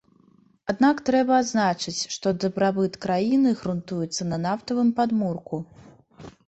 Аднак трэба адзначыць, што дабрабыт краіны грунтуецца на нафтавым падмурку.